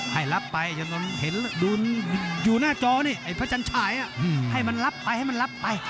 ให้รับไปจนเห็นอยู่หน้าจอนี้เพชรชายนี้ให้มันรับไปให้มันรับไป